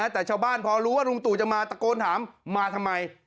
แต่ชาวบ้านพอรู้ว่าลุงตู่จะมาตะโกนถามมาทำไม